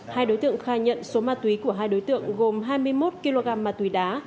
hai đối tượng khai nhận số ma túy của hai đối tượng gồm hai mươi một kg ma túy đá